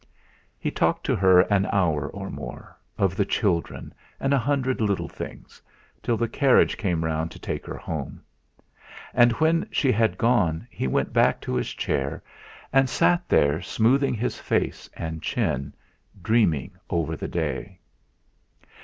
He talked to her an hour or more, of the children, and a hundred little things, till the carriage came round to take her home. And when she had gone he went back to his chair, and sat there smoothing his face and chin, dreaming over the day.